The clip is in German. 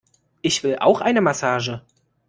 Ich will auch eine Massage!